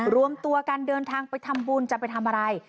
รวมตัวกันเดินทางไปทำบุญจะไปทำอะไร